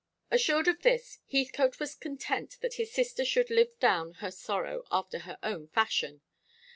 Assured of this, Heathcote was content that his sister should live down her sorrow after her own fashion.